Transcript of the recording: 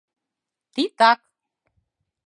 Титак!»